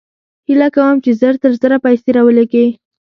هېله کوم چې زر تر زره پیسې راولېږې